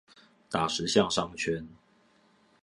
打石巷商圈